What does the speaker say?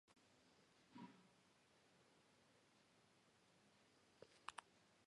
ამიტომ იგი ინფორმაციის გარე მომხმარებლების ინტერესებიდან გამომდინარე, ფინანსური ინფორმაციის სახით გამოქვეყნებას ექვემდებარება.